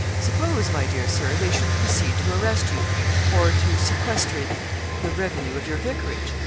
Suppose, my dear Sir, they should proceed to arrest you, or to sequestrate the revenue of your vicarage.